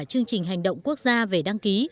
chương trình hành động quốc gia về đăng ký